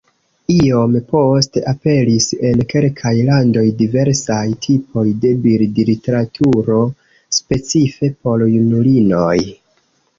Iom poste aperis en kelkaj landoj diversaj tipoj de bildliteraturo specife por junulinoj.